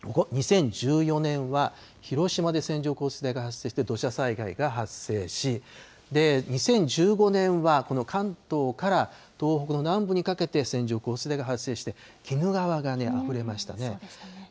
２０１４年は、広島で線状降水帯が発生して土砂災害が発生し、２０１５年は、この関東から東北の南部にかけて線状降水帯が発生して、鬼怒川があふれましたね。